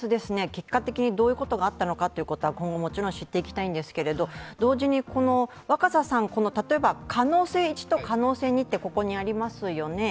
結果的にどういうことがあったのかというのは今後もちろん知っていきたいんですが、同時に、可能性１と可能性２とここにありますよね。